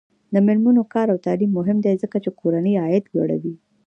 د میرمنو کار او تعلیم مهم دی ځکه چې کورنۍ عاید لوړوي.